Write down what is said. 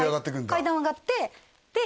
階段を上がってで